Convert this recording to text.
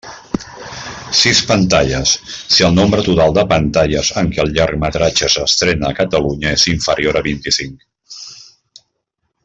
Sis pantalles, si el nombre total de pantalles en què el llargmetratge s'estrena a Catalunya és inferior a vint-i-cinc.